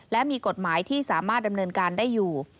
และมีกฎหมายที่สามารถดำเนินการได้อยู่